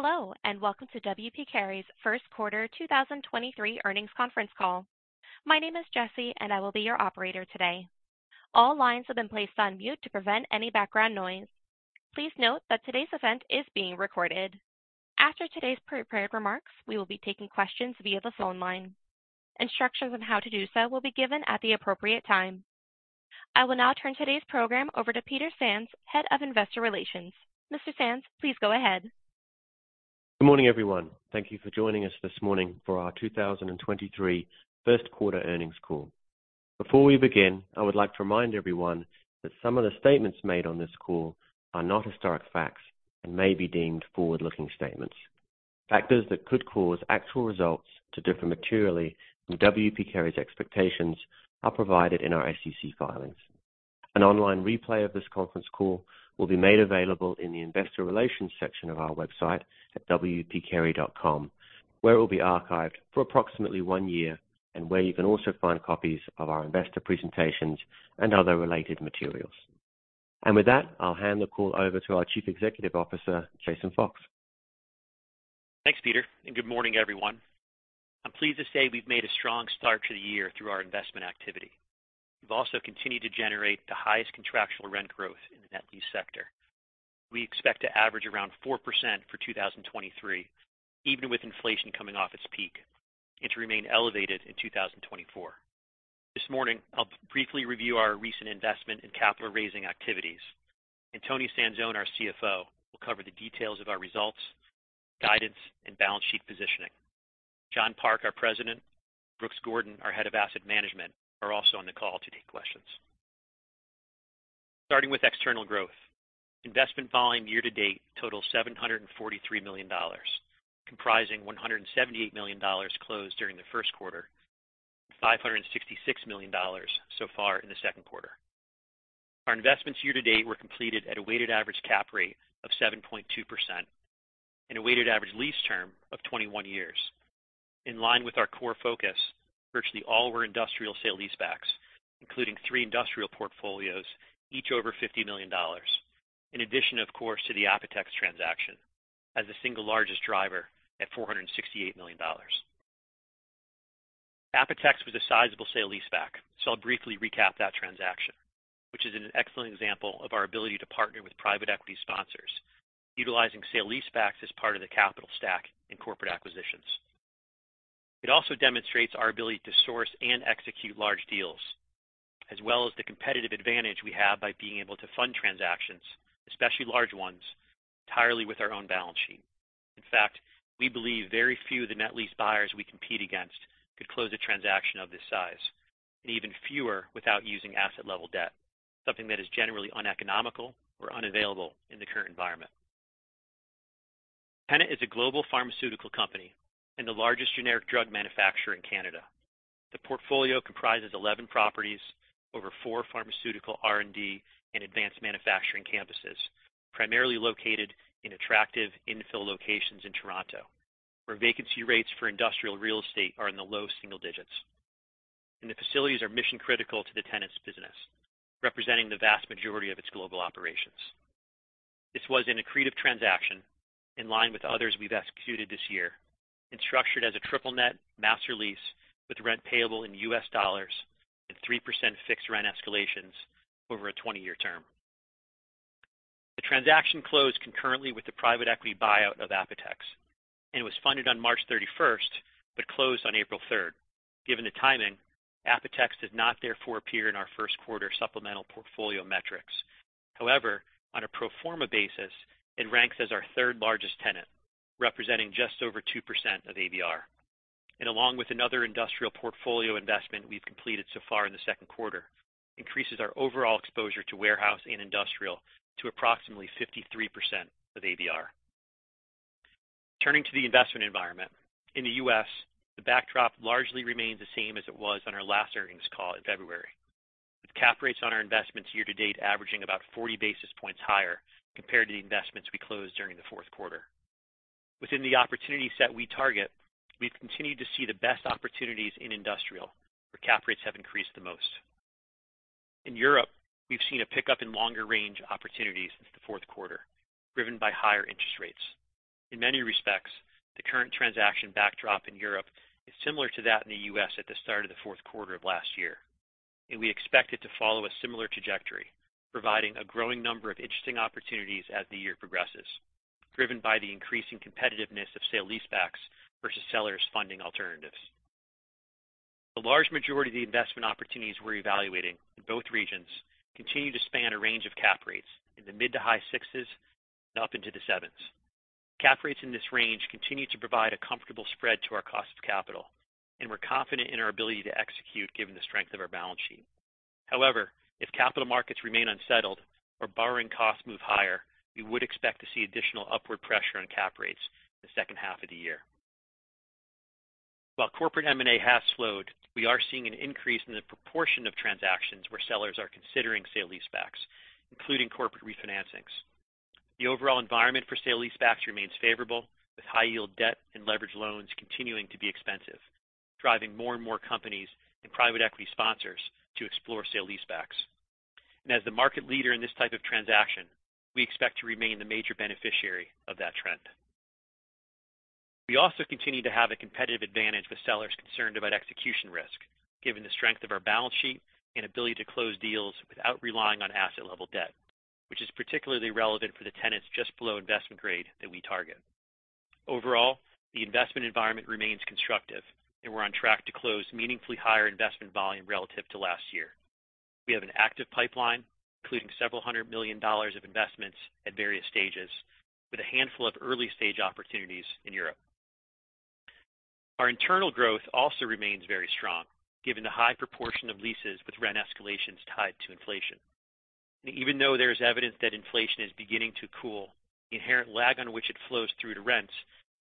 Hello, and welcome to W. P. Carey's 1st quarter 2023 earnings conference call. My name is Jesse, and I will be your operator today. All lines have been placed on mute to prevent any background noise. Please note that today's event is being recorded. After today's prepared remarks, we will be taking questions via the phone line. Instructions on how to do so will be given at the appropriate time. I will now turn today's program over to Peter Sands, Head of Investor Relations. Mr. Sands, please go ahead. Good morning, everyone. Thank you for joining us this morning for our 2023 1st quarter earnings call. Before we begin, I would like to remind everyone that some of the statements made on this call are not historic facts and may be deemed forward-looking statements. Factors that could cause actual results to differ materially from W. P. Carey's expectations are provided in our SEC filings. An online replay of this conference call will be made available in the investor relations section of our website at wpcarey.com, where it will be archived for approximately 1 year and where you can also find copies of our investor presentations and other related materials. With that, I'll hand the call over to our Chief Executive Officer, Jason Fox. Thanks, Peter. Good morning, everyone. I'm pleased to say we've made a strong start to the year through our investment activity. We've also continued to generate the highest contractual rent growth in the net lease sector. We expect to average around 4% for 2023, even with inflation coming off its peak, and to remain elevated in 2024. This morning, I'll briefly review our recent investment in capital raising activities. Toni Sanzone, our CFO, will cover the details of our results, guidance, and balance sheet positioning. John Park, our President, Brooks Gordon, our Head of Asset Management, are also on the call to take questions. Starting with external growth. Investment volume year to date totals $743 million, comprising $178 million closed during the first quarter, $566 million so far in the second quarter. Our investments year to date were completed at a weighted average cap rate of 7.2% and a weighted average lease term of 21 years. In line with our core focus, virtually all were industrial sale leasebacks, including 3 industrial portfolios, each over $50 million. In addition, of course, to the Apotex transaction as the single largest driver at $468 million. Apotex was a sizable sale leaseback, so I'll briefly recap that transaction, which is an excellent example of our ability to partner with private equity sponsors, utilizing sale leasebacks as part of the capital stack in corporate acquisitions. It also demonstrates our ability to source and execute large deals, as well as the competitive advantage we have by being able to fund transactions, especially large ones, entirely with our own balance sheet. In fact, we believe very few of the net lease buyers we compete against could close a transaction of this size, and even fewer without using asset-level debt, something that is generally uneconomical or unavailable in the current environment. Appreciate is a global pharmaceutical company and the largest generic drug manufacturer in Canada. The portfolio comprises 11 properties over four pharmaceutical R&D and advanced manufacturing campuses, primarily located in attractive infill locations in Toronto, where vacancy rates for industrial real estate are in the low single digits. The facilities are mission critical to the tenant's business, representing the vast majority of its global operations. This was an accretive transaction in line with others we've executed this year and structured as a triple net master lease with rent payable in US dollars and 3% fixed rent escalations over a 20-year term. The transaction closed concurrently with the private equity buyout of Apotex. It was funded on March 31st but closed on April 3rd. Given the timing, Apotex does not therefore appear in our 1st quarter supplemental portfolio metrics. However, on a pro forma basis, it ranks as our third largest tenant, representing just over 2% of ABR. Along with another industrial portfolio investment we've completed so far in the 2nd quarter, increases our overall exposure to warehouse and industrial to approximately 53% of ABR. Turning to the investment environment. In the U.S., the backdrop largely remains the same as it was on our last earnings call in February, with cap rates on our investments year to date averaging about 40 basis points higher compared to the investments we closed during the 4th quarter. Within the opportunity set we target, we've continued to see the best opportunities in industrial, where cap rates have increased the most. In Europe, we've seen a pickup in longer range opportunities since the fourth quarter, driven by higher interest rates. In many respects, the current transaction backdrop in Europe is similar to that in the U.S. at the start of the fourth quarter of last year, and we expect it to follow a similar trajectory, providing a growing number of interesting opportunities as the year progresses, driven by the increasing competitiveness of sale leasebacks versus sellers funding alternatives. The large majority of the investment opportunities we're evaluating in both regions continue to span a range of cap rates in the mid to high sixes and up into the sevens. Cap rates in this range continue to provide a comfortable spread to our cost of capital, and we're confident in our ability to execute given the strength of our balance sheet. However, if capital markets remain unsettled or borrowing costs move higher, we would expect to see additional upward pressure on cap rates in the second half of the year. While corporate M&A has slowed, we are seeing an increase in the proportion of transactions where sellers are considering sale leasebacks, including corporate refinancings. The overall environment for sale leasebacks remains favorable, with high-yield debt and leveraged loans continuing to be expensive, driving more and more companies and private equity sponsors to explore sale leasebacks. As the market leader in this type of transaction, we expect to remain the major beneficiary of that trend. We also continue to have a competitive advantage with sellers concerned about execution risk, given the strength of our balance sheet and ability to close deals without relying on asset level debt, which is particularly relevant for the tenants just below investment grade that we target. Overall, the investment environment remains constructive and we're on track to close meaningfully higher investment volume relative to last year. We have an active pipeline, including several hundred million dollars of investments at various stages, with a handful of early stage opportunities in Europe. Our internal growth also remains very strong, given the high proportion of leases with rent escalations tied to inflation. Even though there is evidence that inflation is beginning to cool, the inherent lag on which it flows through to rents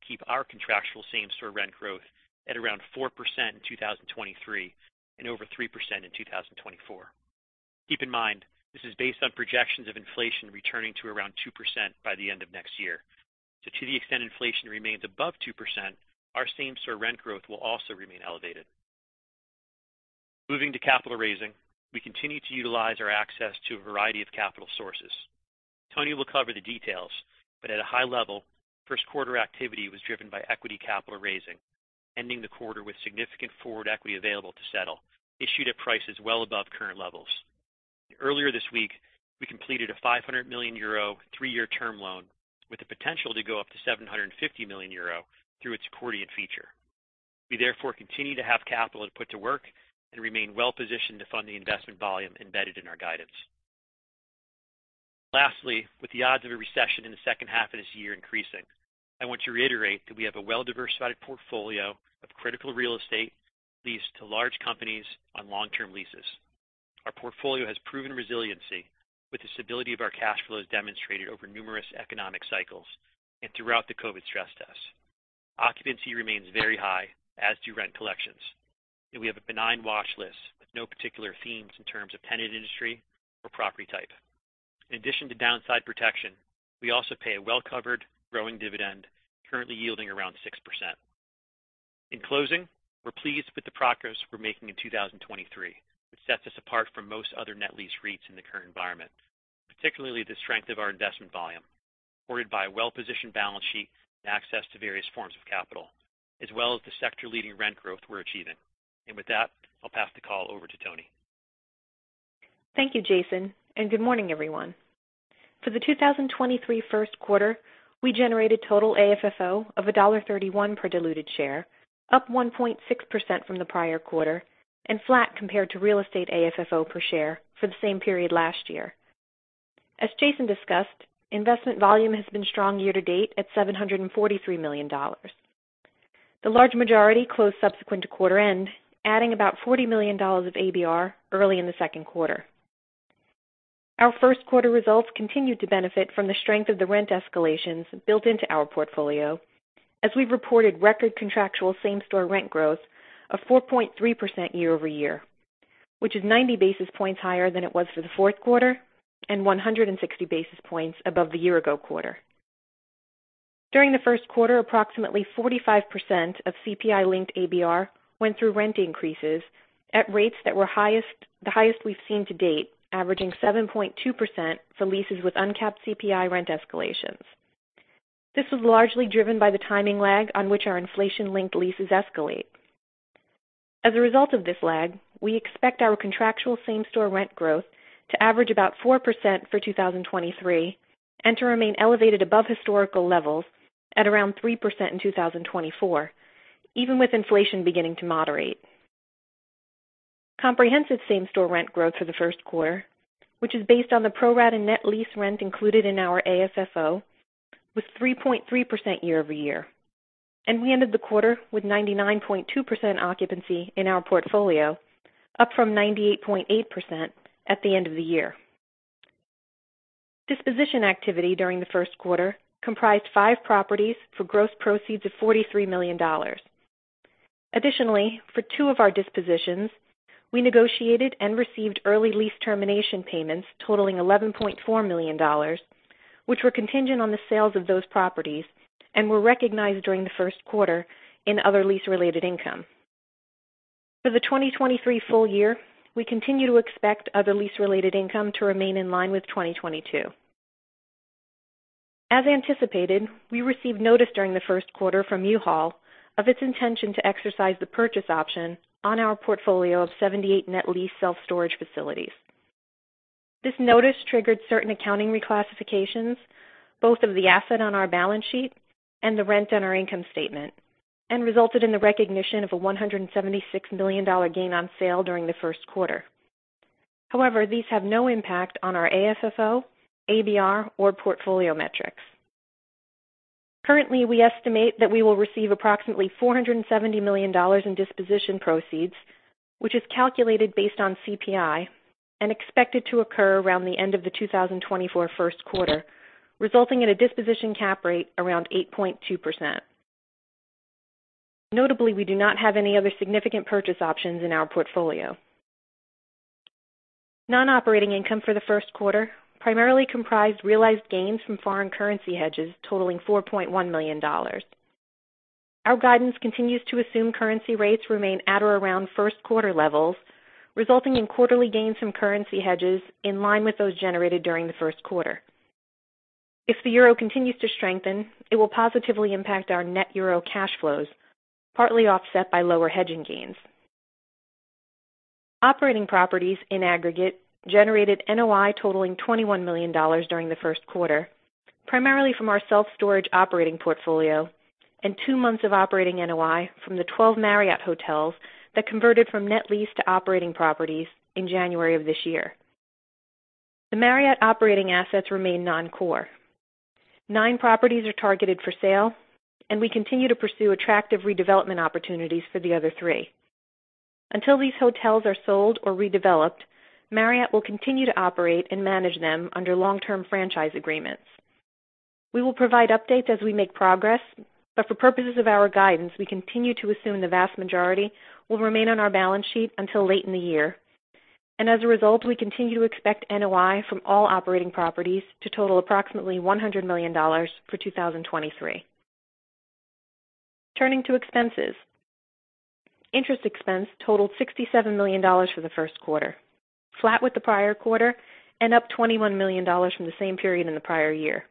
keep our contractual same-store rent growth at around 4% in 2023 and over 3% in 2024. Keep in mind, this is based on projections of inflation returning to around 2% by the end of next year. To the extent inflation remains above 2%, our same-store rent growth will also remain elevated. Moving to capital raising, we continue to utilize our access to a variety of capital sources. Toni will cover the details, but at a high level, first quarter activity was driven by equity capital raising, ending the quarter with significant forward equity available to settle, issued at prices well above current levels. Earlier this week, we completed a 500 million euro 3-year term loan with the potential to go up to 750 million euro through its accordion feature. We therefore continue to have capital to put to work and remain well positioned to fund the investment volume embedded in our guidance. Lastly, with the odds of a recession in the second half of this year increasing, I want to reiterate that we have a well-diversified portfolio of critical real estate leased to large companies on long-term leases. Our portfolio has proven resiliency with the stability of our cash flows demonstrated over numerous economic cycles and throughout the Covid stress test. Occupancy remains very high, as do rent collections. We have a benign watch list with no particular themes in terms of tenant industry or property type. In addition to downside protection, we also pay a well-covered growing dividend currently yielding around 6%. In closing, we're pleased with the progress we're making in 2023, which sets us apart from most other net lease REITs in the current environment, particularly the strength of our investment volume, supported by a well-positioned balance sheet and access to various forms of capital, as well as the sector leading rent growth we're achieving. With that, I'll pass the call over to Toni. Thank you, Jason. Good morning, everyone. For the 2023 first quarter, we generated total AFFO of $1.31 per diluted share, up 1.6% from the prior quarter and flat compared to real estate AFFO per share for the same period last year. As Jason discussed, investment volume has been strong year to date at $743 million. The large majority closed subsequent to quarter end, adding about $40 million of ABR early in the second quarter. Our first quarter results continued to benefit from the strength of the rent escalations built into our portfolio as we've reported record contractual same-store rent growth of 4.3% year-over-year, which is 90 basis points higher than it was for the fourth quarter and 160 basis points above the year ago quarter. During the first quarter, approximately 45% of CPI linked ABR went through rent increases at rates that were the highest we've seen to date, averaging 7.2% for leases with uncapped CPI rent escalations. This was largely driven by the timing lag on which our inflation-linked leases escalate. As a result of this lag, we expect our contractual same-store rent growth to average about 4% for 2023 and to remain elevated above historical levels at around 3% in 2024, even with inflation beginning to moderate. Comprehensive same-store rent growth for the first quarter, which is based on the pro-rata net lease rent included in our AFFO, was 3.3% year-over-year. We ended the quarter with 99.2% occupancy in our portfolio, up from 98.8% at the end of the year. Disposition activity during the first quarter comprised five properties for gross proceeds of $43 million. Additionally, for two of our dispositions, we negotiated and received early lease termination payments totaling $11.4 million, which were contingent on the sales of those properties and were recognized during the first quarter in other lease related income. For the 2023 full year, we continue to expect other lease related income to remain in line with 2022. As anticipated, we received notice during the first quarter from U-Haul of its intention to exercise the purchase option on our portfolio of 78 net lease self-storage facilities. This notice triggered certain accounting reclassifications, both of the asset on our balance sheet and the rent on our income statement, resulted in the recognition of a $176 million gain on sale during the first quarter. However, these have no impact on our AFFO, ABR, or portfolio metrics. Currently, we estimate that we will receive approximately $470 million in disposition proceeds, which is calculated based on CPI and expected to occur around the end of the 2024 first quarter, resulting in a disposition cap rate around 8.2%. Notably, we do not have any other significant purchase options in our portfolio. Non-operating income for the first quarter primarily comprised realized gains from foreign currency hedges totaling $4.1 million. Our guidance continues to assume currency rates remain at or around first quarter levels, resulting in quarterly gains from currency hedges in line with those generated during the first quarter. If the euro continues to strengthen, it will positively impact our net euro cash flows, partly offset by lower hedging gains. Operating properties in aggregate generated NOI totaling $21 million during the first quarter, primarily from our self-storage operating portfolio and two months of operating NOI from the 12 Marriott hotels that converted from net lease to operating properties in January of this year. The Marriott operating assets remain non-core. Nine properties are targeted for sale and we continue to pursue attractive redevelopment opportunities for the other three. Until these hotels are sold or redeveloped, Marriott will continue to operate and manage them under long-term franchise agreements. We will provide updates as we make progress, but for purposes of our guidance, we continue to assume the vast majority will remain on our balance sheet until late in the year. As a result, we continue to expect NOI from all operating properties to total approximately $100 million for 2023. Turning to expenses. Interest expense totaled $67 million for the first quarter, flat with the prior quarter and up $21 million from the same period in the prior year.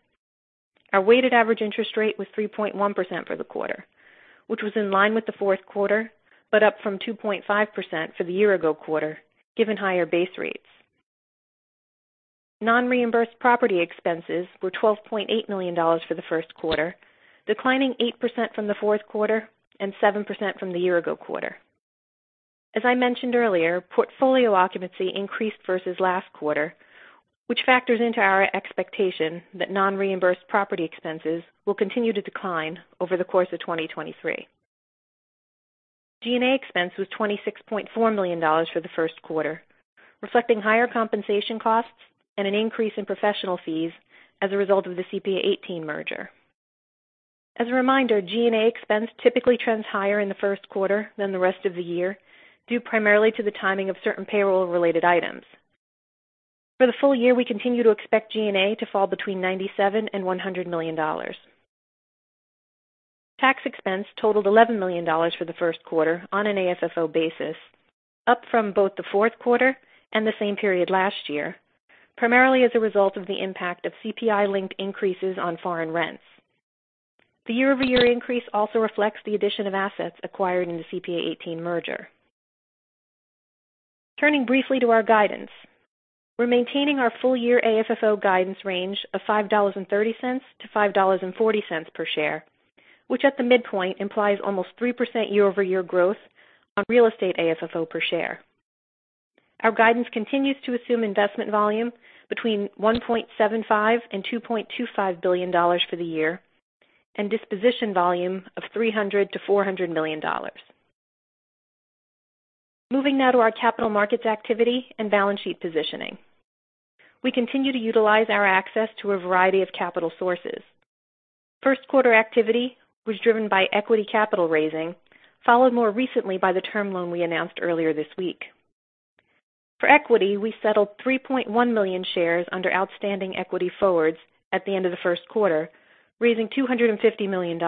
Our weighted average interest rate was 3.1% for the quarter, which was in line with the fourth quarter, but up from 2.5% for the year ago quarter, given higher base rates. Non-reimbursed property expenses were $12.8 million for the first quarter, declining 8% from the fourth quarter and 7% from the year-ago quarter. As I mentioned earlier, portfolio occupancy increased versus last quarter, which factors into our expectation that non-reimbursed property expenses will continue to decline over the course of 2023. G&A expense was $26.4 million for the first quarter, reflecting higher compensation costs and an increase in professional fees as a result of the CPA Eighteen merger. As a reminder, G&A expense typically trends higher in the first quarter than the rest of the year, due primarily to the timing of certain payroll-related items. For the full year, we continue to expect G&A to fall between $97 million and $100 million. Tax expense totaled $11 million for the first quarter on an AFFO basis, up from both the fourth quarter and the same period last year, primarily as a result of the impact of CPI-linked increases on foreign rents. The year-over-year increase also reflects the addition of assets acquired in the CPA Eighteen merger. Turning briefly to our guidance. We're maintaining our full-year AFFO guidance range of $5.30-$5.40 per share, which at the midpoint implies almost 3% year-over-year growth on real estate AFFO per share. Our guidance continues to assume investment volume between $1.75 billion and $2.25 billion for the year and disposition volume of $300 million-$400 million. Moving now to our capital markets activity and balance sheet positioning. We continue to utilize our access to a variety of capital sources. First quarter activity was driven by equity capital raising, followed more recently by the term loan we announced earlier this week. For equity, we settled 3.1 million shares under outstanding equity forwards at the end of the first quarter, raising $250 million.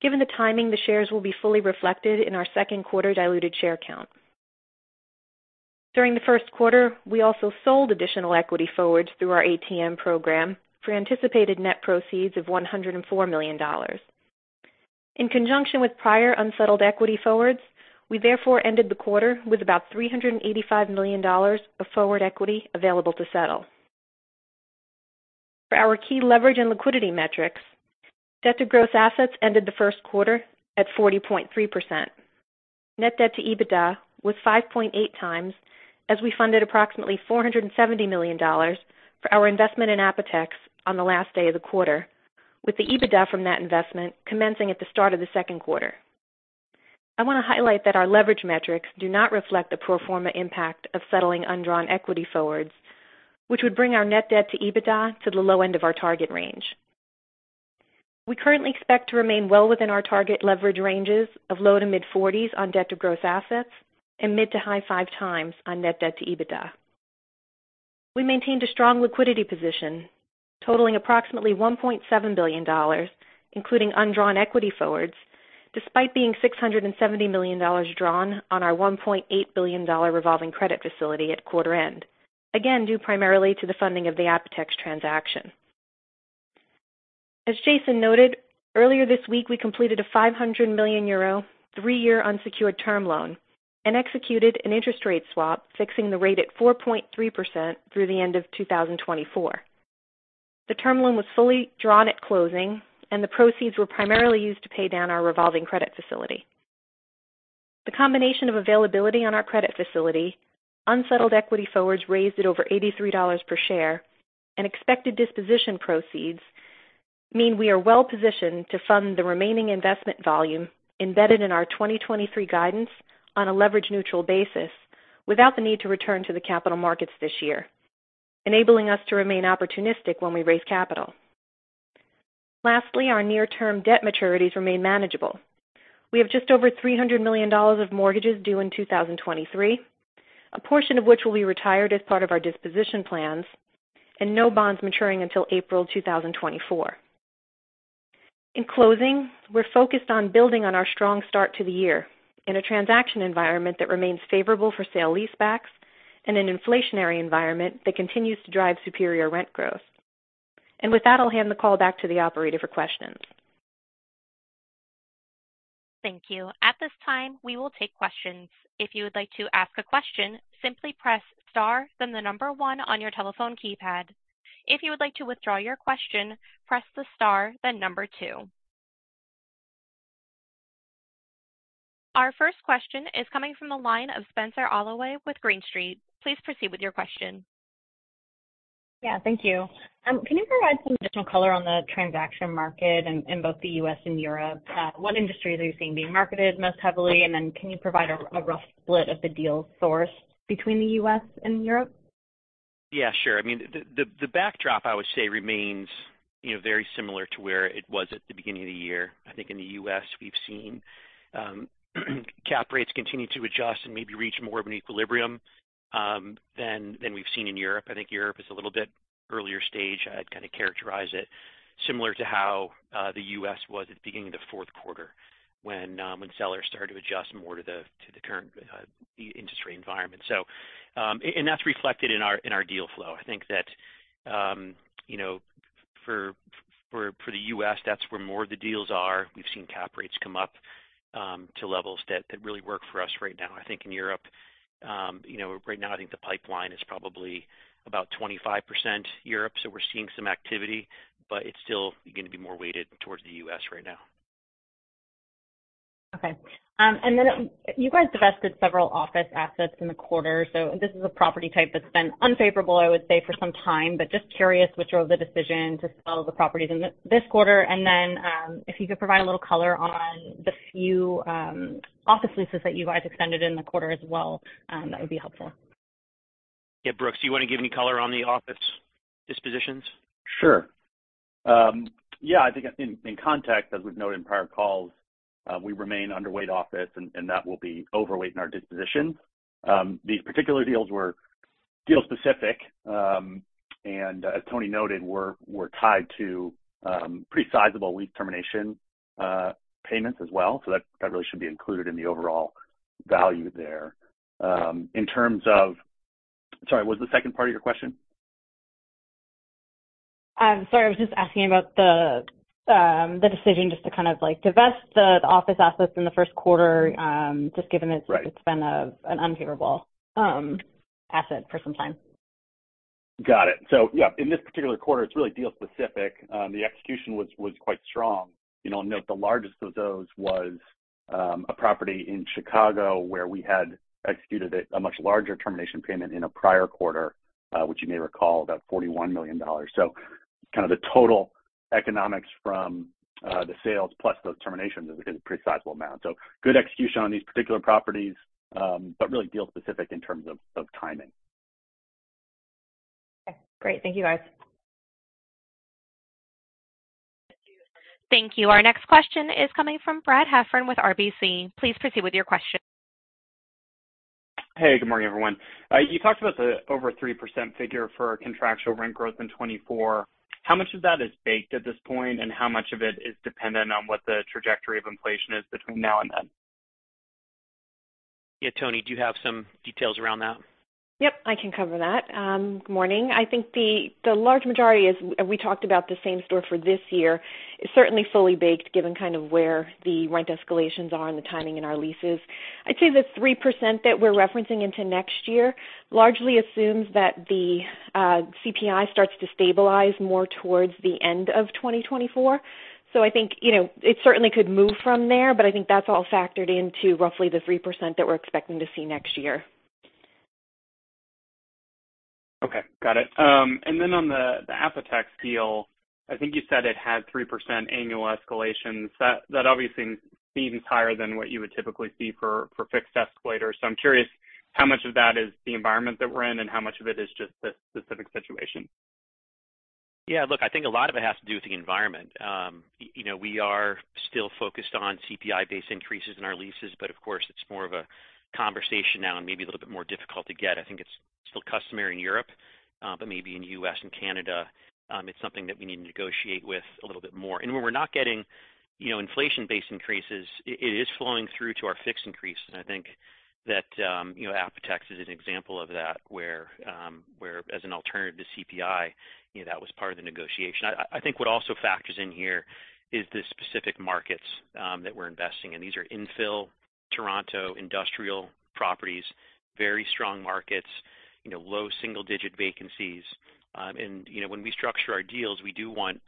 Given the timing, the shares will be fully reflected in our second quarter diluted share count. During the first quarter, we also sold additional equity forwards through our ATM program for anticipated net proceeds of $104 million. In conjunction with prior unsettled equity forwards, we therefore ended the quarter with about $385 million of forward equity available to settle. For our key leverage and liquidity metrics, debt to gross assets ended the first quarter at 40.3%. Net debt to EBITDA was 5.8x as we funded approximately $470 million for our investment in Apotex on the last day of the quarter, with the EBITDA from that investment commencing at the start of the second quarter. I want to highlight that our leverage metrics do not reflect the pro forma impact of settling undrawn equity forwards, which would bring our net debt to EBITDA to the low end of our target range. We currently expect to remain well within our target leverage ranges of low to mid-forties on debt to gross assets and mid to high 5x on net debt to EBITDA. We maintained a strong liquidity position totaling approximately $1.7 billion, including undrawn equity forwards, despite being $670 million drawn on our $1.8 billion revolving credit facility at quarter end, again due primarily to the funding of the Apotex transaction. As Jason noted, earlier this week we completed a 500 million euro, three-year unsecured term loan and executed an interest rate swap, fixing the rate at 4.3% through the end of 2024. The term loan was fully drawn at closing and the proceeds were primarily used to pay down our revolving credit facility. The combination of availability on our credit facility, unsettled equity forwards raised at over $83 per share, and expected disposition proceeds mean we are well positioned to fund the remaining investment volume embedded in our 2023 guidance on a leverage neutral basis without the need to return to the capital markets this year, enabling us to remain opportunistic when we raise capital. Lastly, our near-term debt maturities remain manageable. We have just over $300 million of mortgages due in 2023, a portion of which will be retired as part of our disposition plans, and no bonds maturing until April 2024. In closing, we're focused on building on our strong start to the year in a transaction environment that remains favorable for sale leasebacks and an inflationary environment that continues to drive superior rent growth. With that, I'll hand the call back to the operator for questions. Thank you. At this time, we will take questions. If you would like to ask a question, simply press star, then the number one on your telephone keypad. If you would like to withdraw your question, press the star, then number two. Our first question is coming from the line of Spenser Allaway with Green Street. Please proceed with your question. Yeah, thank you. Can you provide some additional color on the transaction market in both the U.S. and Europe? What industries are you seeing being marketed most heavily? Can you provide a rough split of the deal source between the U.S. and Europe? Yeah, sure. I mean, the backdrop I would say remains, you know, very similar to where it was at the beginning of the year. I think in the U.S. we've seen cap rates continue to adjust and maybe reach more of an equilibrium than we've seen in Europe. I think Europe is a little bit earlier stage. I'd kind of characterize it similar to how the U.S. was at the beginning of the fourth quarter when sellers started to adjust more to the current industry environment. That's reflected in our deal flow. I think that, you know, for the U.S., that's where more of the deals are. We've seen cap rates come up to levels that really work for us right now. I think in Europe, you know, right now I think the pipeline is probably about 25% Europe. We're seeing some activity. It's still gonna be more weighted towards the U.S. right now. Okay. You guys divested several office assets in the quarter. This is a property type that's been unfavorable, I would say, for some time, but just curious what drove the decision to sell the properties in this quarter. If you could provide a little color on the few, office leases that you guys extended in the quarter as well, that would be helpful. Yeah. Brooks, do you wanna give any color on the office dispositions? Sure. Yeah, I think in context, as we've noted in prior calls, we remain underweight office and that will be overweight in our dispositions. These particular deals were deal specific. As Tony noted, we're tied to pretty sizable lease termination payments as well. That really should be included in the overall value there. In terms of... Sorry, what was the second part of your question? Sorry, I was just asking about the decision just to kind of like divest the office assets in the first quarter, just given. Right. It's been an unfavorable asset for some time. Got it. Yeah, in this particular quarter, it's really deal specific. The execution was quite strong. You know, note the largest of those was a property in Chicago where we had executed a much larger termination payment in a prior quarter, which you may recall, about $41 million. Kind of the total economics from the sales plus those terminations is a pretty sizable amount. Good execution on these particular properties, but really deal specific in terms of timing. Okay, great. Thank you, guys. Thank you. Our next question is coming from Brad Heffern with RBC. Please proceed with your question. Hey, good morning, everyone. You talked about the over 3% figure for contractual rent growth in 2024. How much of that is baked at this point, and how much of it is dependent on what the trajectory of inflation is between now and then? Yeah. Tony, do you have some details around that? Yep, I can cover that. Good morning. I think the large majority is, we talked about the same story for this year, is certainly fully baked given kind of where the rent escalations are and the timing in our leases. I'd say the 3% that we're referencing into next year largely assumes that the CPI starts to stabilize more towards the end of 2024. I think, you know, it certainly could move from there, but I think that's all factored into roughly the 3% that we're expecting to see next year. Okay. Got it. Then on the Apotex deal, I think you said it had 3% annual escalations. That obviously seems higher than what you would typically see for fixed escalators. I'm curious how much of that is the environment that we're in and how much of it is just the specific situation? Yeah. Look, I think a lot of it has to do with the environment. You know, we are still focused on CPI-based increases in our leases, but of course, it's more of a conversation now and maybe a little bit more difficult to get. I think it's still customary in Europe, but maybe in the U.S. and Canada, it's something that we need to negotiate with a little bit more. When we're not getting, you know, inflation-based increases, it is flowing through to our fixed increases. I think that, you know, Apotex is an example of that, where as an alternative to CPI, you know, that was part of the negotiation. I think what also factors in here is the specific markets that we're investing in. These are infill Toronto industrial properties, very strong markets, you know, low single-digit vacancies. When we structure our deals, we do want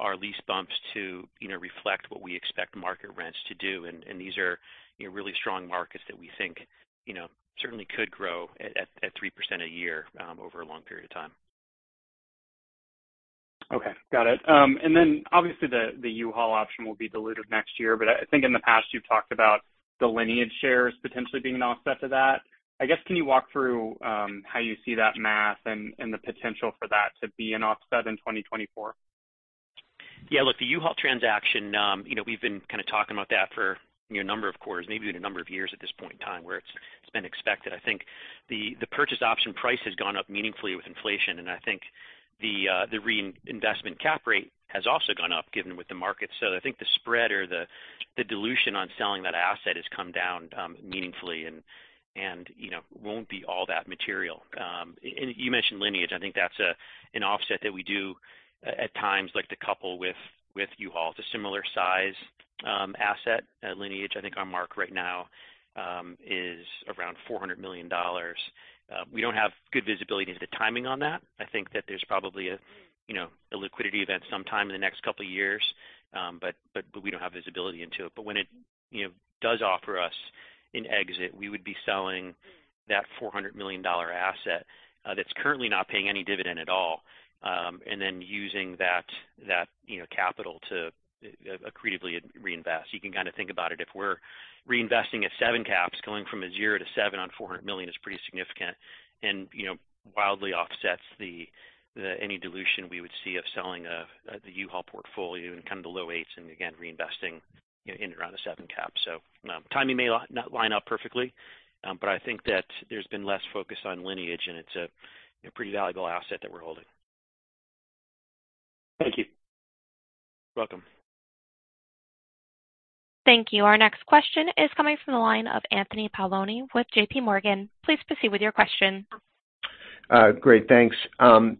our lease bumps to, you know, reflect what we expect market rents to do. These are, you know, really strong markets that we think, you know, certainly could grow at 3% a year, over a long period of time. Okay. Got it. Obviously the U-Haul option will be dilutive next year, but I think in the past you've talked about The Lineage shares potentially being an offset to that. I guess, can you walk through how you see that math and the potential for that to be an offset in 2024? Yeah. Look, the U-Haul transaction, you know, we've been kind of talking about that for, you know, a number of quarters, maybe even a number of years at this point in time where it's been expected. I think the purchase option price has gone up meaningfully with inflation. I think the reinvestment cap rate has also gone up given with the market. I think the spread or the dilution on selling that asset has come down meaningfully and, you know, won't be all that material. You mentioned Lineage. I think that's an offset that we do at times like to couple with U-Haul. It's a similar size asset at Lineage. I think our mark right now is around $400 million. We don't have good visibility into the timing on that. I think that there's probably a, you know, a liquidity event sometime in the next couple of years. We don't have visibility into it. When it, you know, does offer us an exit, we would be selling that $400 million asset, that's currently not paying any dividend at all, and then using that, you know, capital to accretively reinvest. You can kind of think about it. If we're reinvesting at 7 caps, going from a 0 to 7 on $400 million is pretty significant. You know, wildly offsets the any dilution we would see of selling the U-Haul portfolio and kind of the low 8s and again, reinvesting in and around the 7 cap. timing may not line up perfectly, but I think that there's been less focus on Lineage, and it's a pretty valuable asset that we're holding. Thank you. You're welcome. Thank you. Our next question is coming from the line of Anthony Paolone with J.P. Morgan. Please proceed with your question. Great. Thanks.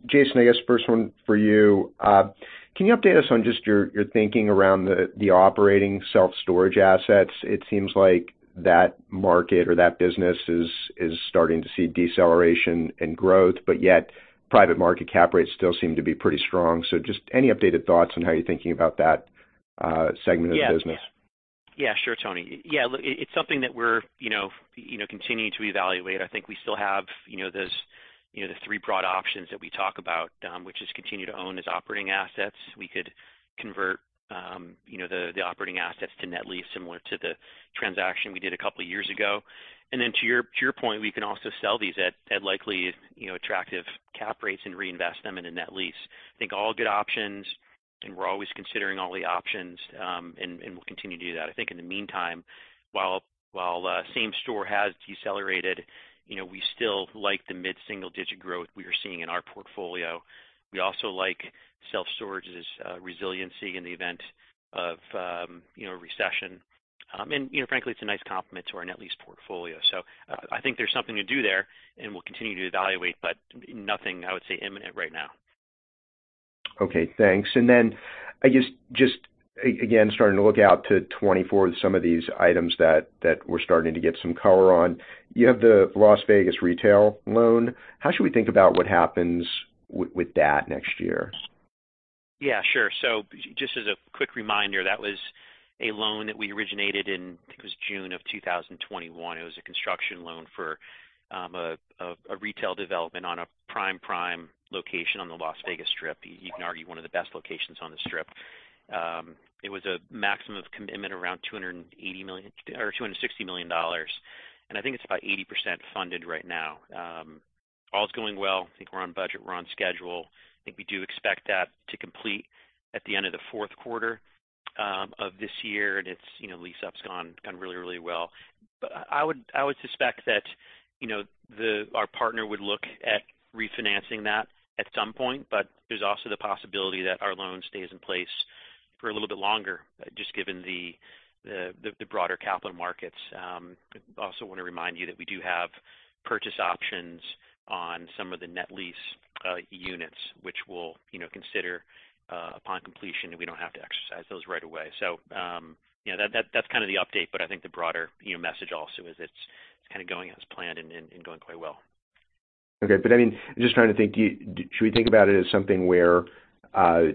Jason, I guess first one for you. Can you update us on just your thinking around the operating self-storage assets? It seems like that market or that business is starting to see deceleration in growth, but yet private market cap rates still seem to be pretty strong. Just any updated thoughts on how you're thinking about that segment of the business. Yeah. Sure, Tony. Yeah, look, it's something that we're, you know, you know, continuing to evaluate. I think we still have, you know, those, you know, the three broad options that we talk about, which is continue to own as operating assets. We could convert, you know, the operating assets to net lease similar to the transaction we did a couple of years ago. Then to your, to your point, we can also sell these at likely, you know, attractive cap rates and reinvest them in a net lease. I think all good options, and we're always considering all the options, and we'll continue to do that. I think in the meantime, while same store has decelerated, you know, we still like the mid-single digit growth we are seeing in our portfolio. We also like self-storage's resiliency in the event of, you know, recession. You know, frankly, it's a nice complement to our net lease portfolio. I think there's something to do there and we'll continue to evaluate, but nothing I would say imminent right now. Okay, thanks. I just, again, starting to look out to 2024, some of these items that we're starting to get some color on, you have the Las Vegas retail loan. How should we think about what happens with that next year? Yeah, sure. Just as a quick reminder, that was a loan that we originated in, I think it was June of 2021. It was a construction loan for a retail development on a prime location on the Las Vegas Strip. You can argue one of the best locations on The Strip. It was a maximum of commitment around $280 million or $260 million, and I think it's about 80% funded right now. All's going well. I think we're on budget, we're on schedule. I think we do expect that to complete at the end of the fourth quarter of this year, and it's, you know, lease-up's gone really, really well. I would suspect that, you know, our partner would look at refinancing that at some point, but there's also the possibility that our loan stays in place for a little bit longer just given the broader capital markets. Also wanna remind you that we do have purchase options on some of the net lease units, which we'll, you know, consider upon completion, and we don't have to exercise those right away. You know, that's kind of the update, but I think the broader, you know, message also is it's kind of going as planned and going quite well. I mean, I'm just trying to think, should we think about it as something where, you know,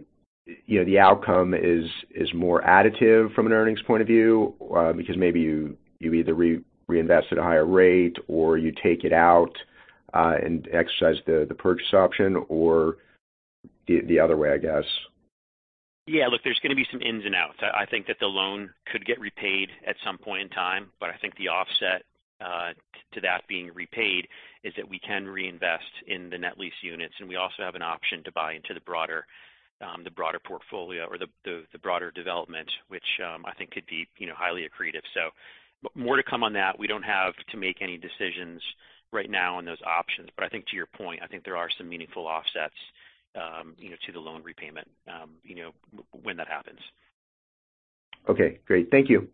the outcome is more additive from an earnings point of view, because maybe you either reinvest at a higher rate or you take it out and exercise the purchase option or the other way, I guess? Look, there's gonna be some ins and outs. I think that the loan could get repaid at some point in time, I think the offset to that being repaid is that we can reinvest in the net lease units, and we also have an option to buy into the broader portfolio or the broader development, which I think could be, you know, highly accretive. More to come on that. We don't have to make any decisions right now on those options. I think to your point, I think there are some meaningful offsets, you know, to the loan repayment, you know, when that happens. Okay, great. Thank you.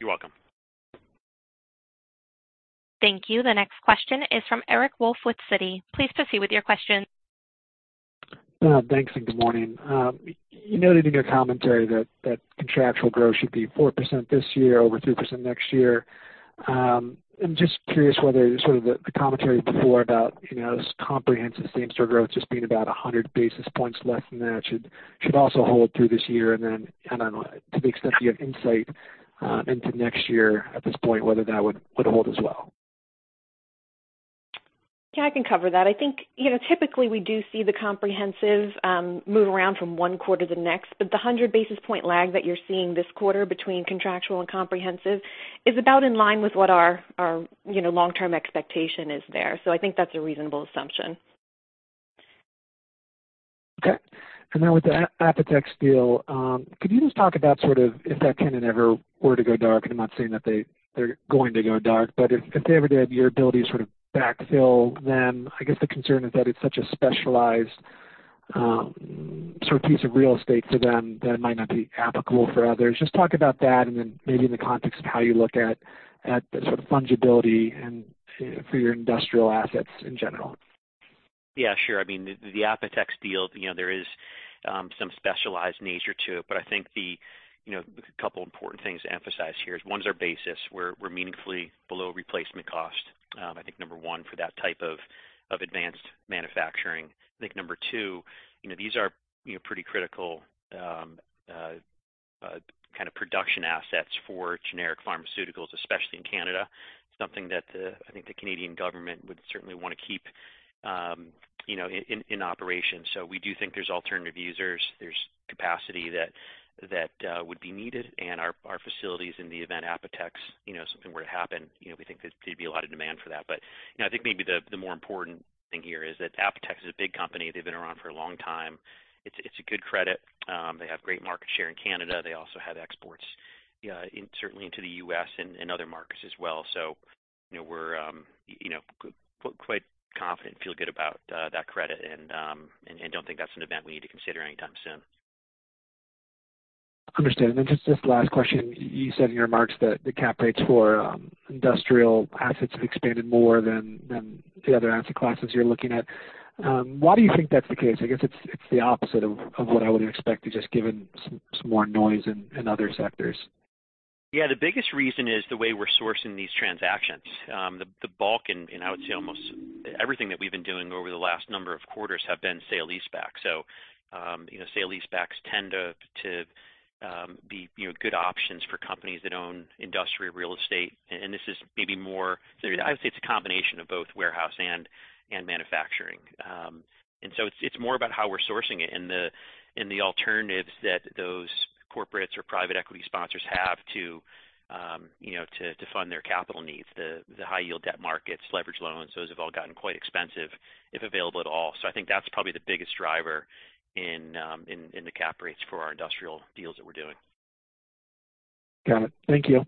You're welcome. Thank you. The next question is from Eric Wolfe with Citi. Please proceed with your question. thanks, and good morning. You noted in your commentary that contractual growth should be 4% this year, over 2% next year. I'm just curious whether sort of the commentary before about, you know, this comprehensive same-store growth just being about 100 basis points less than that should also hold through this year. I don't know, to the extent you have insight into next year at this point, whether that would hold as well. I can cover that. I think, you know, typically we do see the comprehensive move around from one quarter to the next, but the 100 basis point lag that you're seeing this quarter between contractual and comprehensive is about in line with what our, you know, long-term expectation is there. I think that's a reasonable assumption. Okay. With the Apotex deal, could you just talk about sort of if that tenant ever were to go dark, and I'm not saying that they're going to go dark, but if they ever did, your ability to sort of backfill them. I guess the concern is that it's such a specialized sort of piece of real estate to them that it might not be applicable for others. Just talk about that and then maybe in the context of how you look at the sort of fungibility and for your industrial assets in general. Yeah, sure. I mean, the Apotex deal, you know, there is some specialized nature to it, but I think the, you know, a couple important things to emphasize here is one is our basis. We're meaningfully below replacement cost, I think number one for that type of advanced manufacturing. I think number two, you know, these are, you know, pretty critical kind of production assets for generic pharmaceuticals, especially in Canada. Something that I think the Canadian government would certainly wanna keep, you know, in operation. We do think there's alternative users, there's capacity that would be needed. Our facilities in the event Apotex, you know, something were to happen, you know, we think there'd be a lot of demand for that. You know, I think maybe the more important thing here is that Apotex is a big company. They've been around for a long time. It's, it's a good credit. They have great market share in Canada. They also have exports, certainly into the U.S. and other markets as well. You know, we're, you know, quite confident and feel good about that credit and don't think that's an event we need to consider anytime soon. Understood. Just this last question. You said in your remarks that the cap rates for industrial assets have expanded more than the other asset classes you're looking at. Why do you think that's the case? I guess it's the opposite of what I would expect just given some more noise in other sectors. Yeah. The biggest reason is the way we're sourcing these transactions. The bulk and I would say almost everything that we've been doing over the last number of quarters have been sale-leaseback. You know, sale-leasebacks tend to be, you know, good options for companies that own industrial real estate. This is maybe more I would say it's a combination of both warehouse and manufacturing. It's more about how we're sourcing it and the alternatives that those corporates or private equity sponsors have to, you know, to fund their capital needs. The high yield debt markets, leveraged loans, those have all gotten quite expensive if available at all. I think that's probably the biggest driver in the cap rates for our industrial deals that we're doing. Got it. Thank you.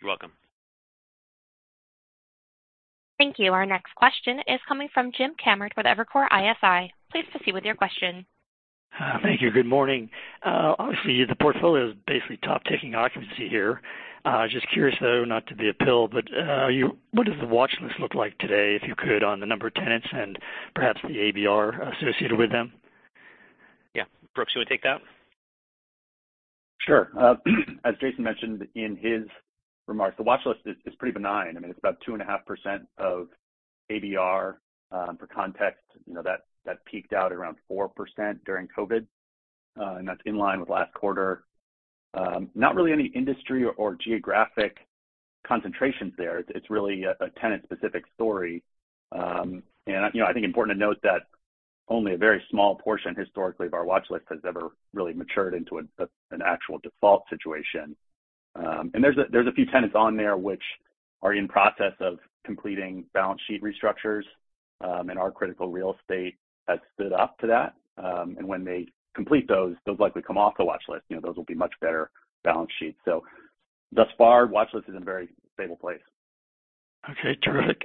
You're welcome. Thank you. Our next question is coming from James Kammert with Evercore ISI. Please proceed with your question. Thank you. Good morning. Obviously the portfolio is basically top-taking occupancy here. Just curious though, not to be a pill, but what does the watchlist look like today, if you could, on the number of tenants and perhaps the ABR associated with them? Yeah. Brooks, you wanna take that? Sure. As Jason mentioned in his remarks, the watchlist is pretty benign. I mean, it's about 2.5% of ABR. For context, you know that peaked out around 4% during COVID, and that's in line with last quarter. Not really any industry or geographic concentrations there. It's really a tenant-specific story. You know, I think important to note that only a very small portion historically of our watchlist has ever really matured into an actual default situation. There's a few tenants on there which are in process of completing balance sheet restructures, and our critical real estate has stood up to that. When they complete those likely come off the watchlist. You know, those will be much better balance sheets. Thus far, watchlist is in a very stable place. Okay. Terrific.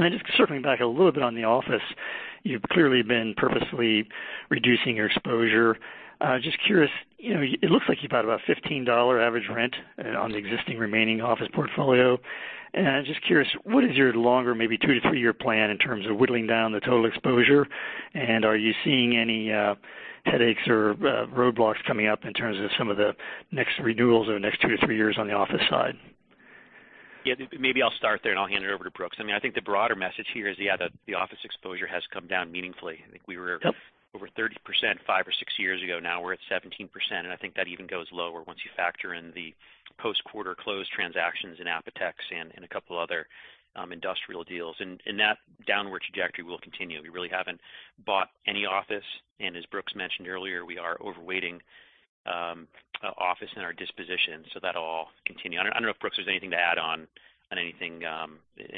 Just circling back a little bit on the office, you've clearly been purposefully reducing your exposure. Just curious, you know, it looks like you've had about 15 dollar average rent on the existing remaining office portfolio. I'm just curious, what is your longer maybe 2-3-year plan in terms of whittling down the total exposure? Are you seeing any headaches or roadblocks coming up in terms of some of the next renewals over the next 2-3 years on the office side? Yeah. Maybe I'll start there and I'll hand it over to Brooks. I mean, I think the broader message here is, yeah, the office exposure has come down meaningfully. Yep. -over 30% five or six years ago, now we're at 17%. I think that even goes lower once you factor in the post-quarter closed transactions in Apotex and a couple other industrial deals. That downward trajectory will continue. We really haven't bought any office, and as Brooks mentioned earlier, we are overweighting office in our disposition, so that'll all continue. I don't, I don't know if, Brooks, there's anything to add on anything,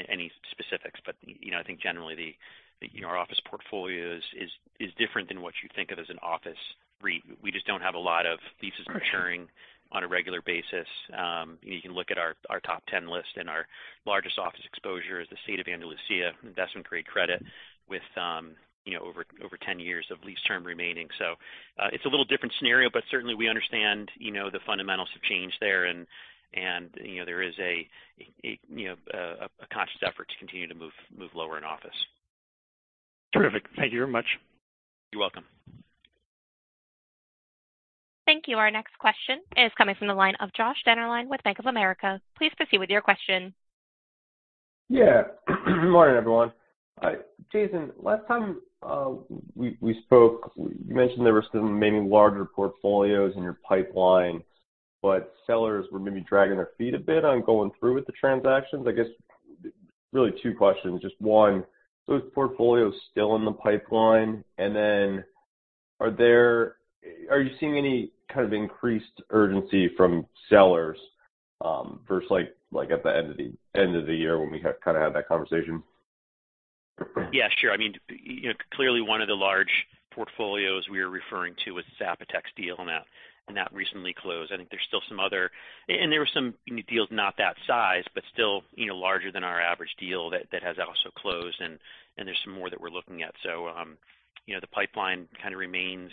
any specifics, but, you know, I think generally the, you know, our office portfolio is different than what you think of as an office REIT. We just don't have a lot of leases maturing on a regular basis. You can look at our top 10 list. Our largest office exposure is the State of Andalusia, investment-grade credit with, you know, over 10 years of lease term remaining. It's a little different scenario. Certainly we understand, you know, the fundamentals have changed there. You know, there is a conscious effort to continue to move lower in office. Terrific. Thank you very much. You're welcome. Thank you. Our next question is coming from the line of Joshua Dennerlein with Bank of America. Please proceed with your question. Yeah. Good morning, everyone. Jason, last time, we spoke, you mentioned there were some maybe larger portfolios in your pipeline. Sellers were maybe dragging their feet a bit on going through with the transactions. I guess, really two questions. Just one, those portfolios still in the pipeline, and then are you seeing any kind of increased urgency from sellers, versus like at the end of the year when we kinda had that conversation? Yeah, sure. I mean, you know, clearly one of the large portfolios we were referring to was the Apotex deal, and that recently closed. I think there's still some other. There were some deals not that size, but still, you know, larger than our average deal that has also closed, and there's some more that we're looking at. You know, the pipeline kind of remains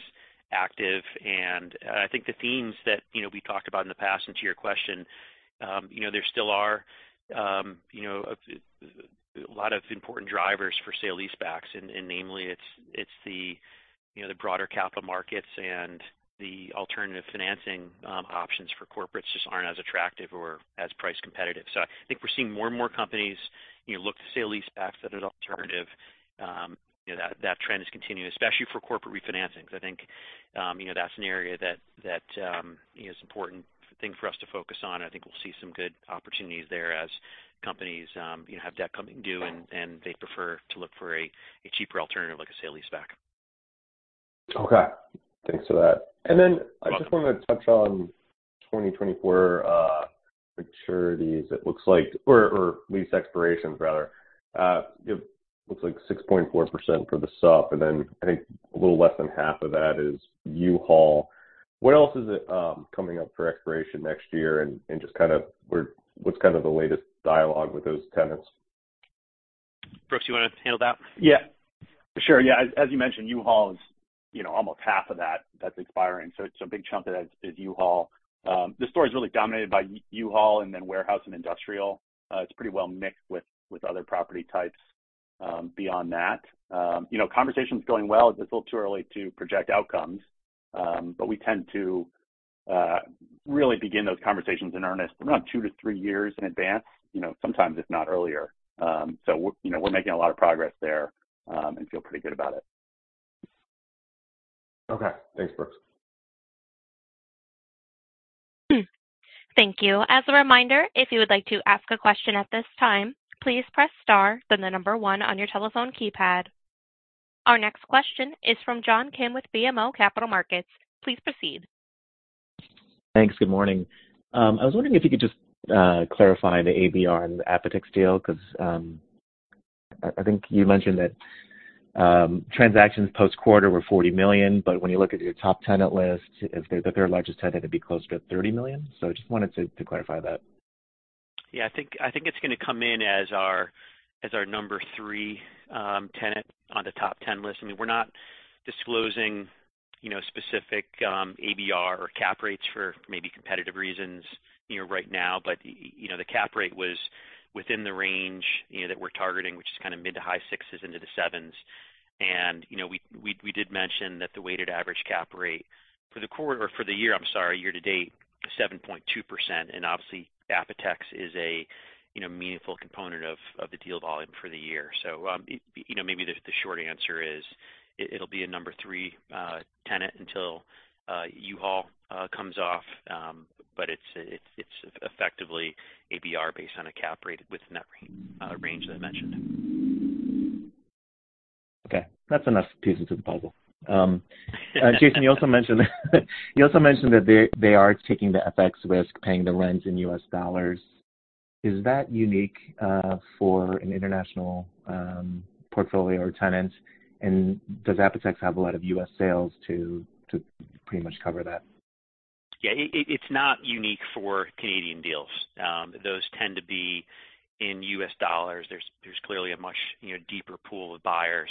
active. I think the themes that, you know, we talked about in the past and to your question, you know, there still are, you know, a lot of important drivers for sale-leasebacks. Namely, it's the, you know, the broader capital markets and the alternative financing options for corporates just aren't as attractive or as price competitive. I think we're seeing more and more companies, you know, look to sale-leasebacks as an alternative. You know, that trend is continuing, especially for corporate refinancings. I think, you know, that's an area that, you know, is an important thing for us to focus on. I think we'll see some good opportunities there as companies, you know, have debt coming due, and they prefer to look for a cheaper alternative like a sale-leaseback. Okay. Thanks for that. I just wanna touch on 2024 maturities. It looks like... or lease expirations rather. It looks like 6.4% for the sup, and then I think a little less than half of that is U-Haul. What else is it coming up for expiration next year and just kind of where... what's kind of the latest dialogue with those tenants? Brooks, you wanna handle that? Yeah. Sure. Yeah. As you mentioned, U-Haul is, you know, almost half of that that's expiring. It's a big chunk that is U-Haul. This story is really dominated by U-Haul and then warehouse and industrial. It's pretty well mixed with other property types beyond that. You know, conversation's going well. It's a little too early to project outcomes. We tend to really begin those conversations in earnest around 2 to 3 years in advance, you know, sometimes if not earlier. You know, we're making a lot of progress there and feel pretty good about it. Okay. Thanks, Brooks. Thank you. As a reminder, if you would like to ask a question at this time, please press star, then the number one on your telephone keypad. Our next question is from John Kim with BMO Capital Markets. Please proceed. Thanks. Good morning. I was wondering if you could just clarify the ABR and the Apotex deal, 'cause, I think you mentioned that, transactions post-quarter were $40 million, but when you look at your top tenant list, if they're the third largest tenant, it'd be closer to $30 million. Just wanted to clarify that. I think it's gonna come in as our, as our number 3 tenant on the top 10 list. I mean, we're not disclosing, you know, specific ABR or cap rates for maybe competitive reasons, you know, right now. You know, the cap rate was within the range, you know, that we're targeting, which is kinda mid-to-high 6s into the 7s. You know, we did mention that the weighted average cap rate for the year, I'm sorry, year to date, 7.2%. Obviously, Apotex is a, you know, meaningful component of the deal volume for the year. You know, maybe the short answer is it'll be a number 3 tenant until U-Haul comes off. It's, it's effectively ABR based on a cap rate within that range that I mentioned. Okay. That's enough pieces of the puzzle. Jason, you also mentioned that they are taking the FX risk, paying the rents in U.S. dollars. Is that unique for an international portfolio or tenant? Does Apotex have a lot of U.S. sales to pretty much cover that? Yeah. It's not unique for Canadian deals. Those tend to be in US dollars. There's clearly a much, you know, deeper pool of buyers,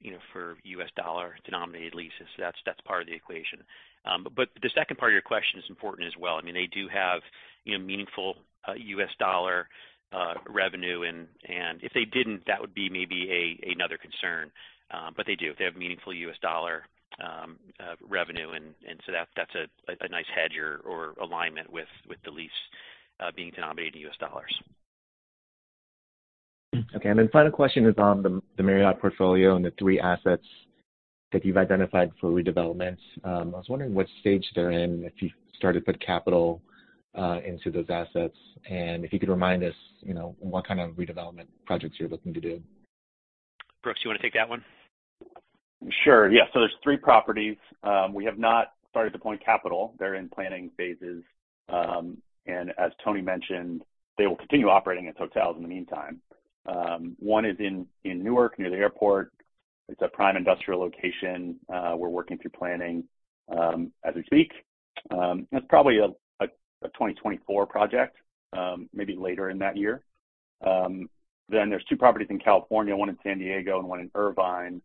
you know, for US dollar-denominated leases. That's part of the equation. The second part of your question is important as well. I mean, they do have, you know, meaningful US dollar revenue. If they didn't, that would be maybe another concern. They do. They have meaningful US dollar revenue. That's a nice hedge or alignment with the lease being denominated in US dollars. Okay. Final question is on the Marriott portfolio and the three assets that you've identified for redevelopment. I was wondering what stage they're in, if you've started to put capital into those assets, and if you could remind us, you know, what kind of redevelopment projects you're looking to do. Brooks, you wanna take that one? Sure. Yeah. There's three properties. We have not started deploying capital. They're in planning phases. As Toni mentioned, they will continue operating as hotels in the meantime. One is in Newark, near the airport. It's a prime industrial location. We're working through planning as we speak. That's probably a 2024 project, maybe later in that year. There's two properties in California, one in San Diego and one in Irvine.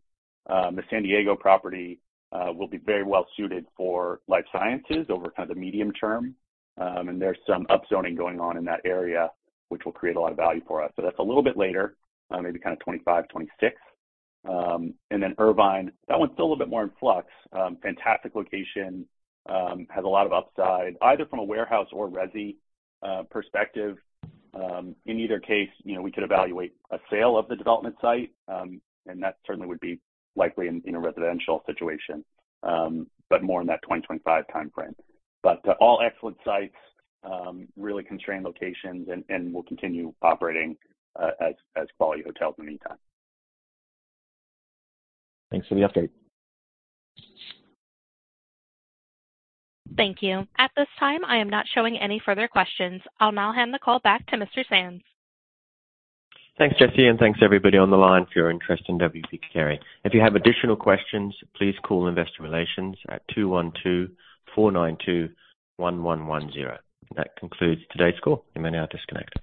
The San Diego property will be very well suited for life sciences over kind of the medium term. There's some upzoning going on in that area, which will create a lot of value for us. That's a little bit later, maybe kinda 2025, 2026. Irvine, that one's still a little bit more in flux. Fantastic location. Has a lot of upside, either from a warehouse or resi perspective. In either case, you know, we could evaluate a sale of the development site, and that certainly would be likely in a residential situation, but more in that 2025 timeframe. All excellent sites, really constrained locations and will continue operating as quality hotels in the meantime. Thanks for the update. Thank you. At this time, I am not showing any further questions. I'll now hand the call back to Mr. Sands. Thanks, Jesse, thanks everybody on the line for your interest in W. P. Carey. If you have additional questions, please call investor relations at 212-492-1110. That concludes today's call. You may now disconnect.